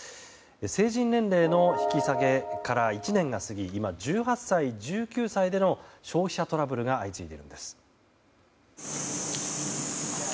成人年齢の引き下げから１年が過ぎ今、１８歳、１９歳での消費者トラブルが相次いでいます。